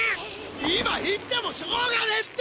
今行ってもしょうがねえって！